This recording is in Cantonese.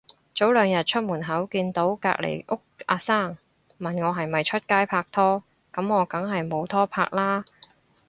早兩日出門口見到隔離屋阿生，問我係咪出街拍拖，噉我梗係冇拖拍啦